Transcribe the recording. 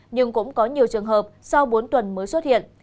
nhưng cũng có nhiều trường hợp sau bốn tuần mới xuất hiện